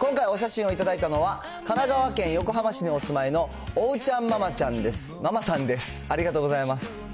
今回、お写真を頂いたのは、神奈川県横浜市にお住まいの桜ちゃんママさんです、ありがとうございます。